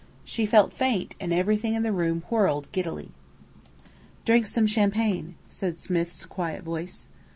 She felt faint, and everything in the room whirled giddily. "Drink some champagne," said Smith's quiet voice.